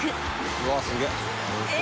うわすげえ。